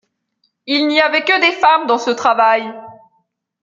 Il n’y avait que des femmes dans ce travail.